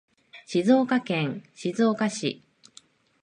静岡県静岡市